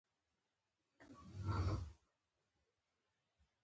دوه میلیونه کاله ډېر زیات وخت دی.